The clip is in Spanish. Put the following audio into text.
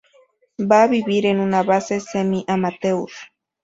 Va a vivir en una base semi-amateur.